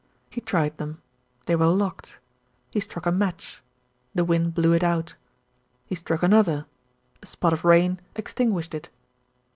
He tried them ; they were locked. He struck a match the wind blew it out. He struck another, a spot of rain extinguished it.